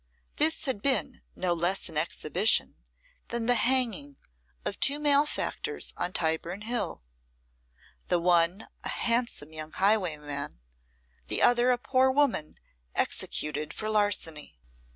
This had been no less an exhibition than the hanging of two malefactors on Tyburn Hill the one a handsome young highwayman, the other a poor woman executed for larceny.